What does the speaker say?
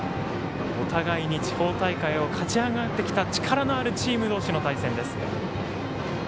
お互いに地方大会を勝ち上がってきた力のあるチーム同士の対戦です。